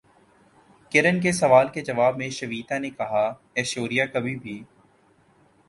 کرن کے سوال کے جواب میں شویتا نے کہا ایشوریا کبھی بھی